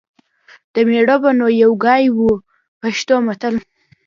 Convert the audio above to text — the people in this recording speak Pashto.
د مېړه به نو یو ګای و . پښتو متل